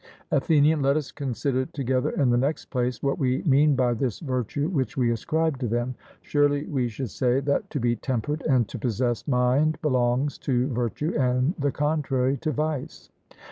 ATHENIAN: Let us consider together in the next place what we mean by this virtue which we ascribe to them. Surely we should say that to be temperate and to possess mind belongs to virtue, and the contrary to vice?